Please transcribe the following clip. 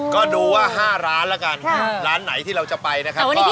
ก็ดูว่า๕ร้านแล้วกันร้านไหนที่เราจะไปนะครับ